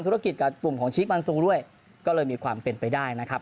ธุรกิจกับกลุ่มของชีคมันซูด้วยก็เลยมีความเป็นไปได้นะครับ